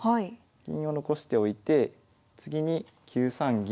銀を残しておいて次に９三銀。